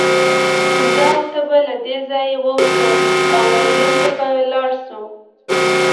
زه او ته به له دې ځایه ووځو او برلین ته به لاړ شو